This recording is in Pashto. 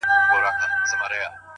o د شېخانو د ټگانو. د محل جنکۍ واوره.